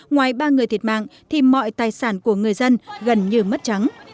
ngoài ba người thiệt mạng thì mọi tài sản của người dân gần như mất trắng